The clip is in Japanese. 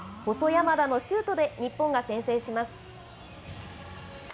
細山田のシュートで日本が先制します。